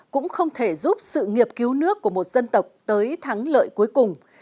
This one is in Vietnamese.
cũng không thể giúp sự nghiệp cứu nước của một dân tộc tới thắng lợi cuối cùng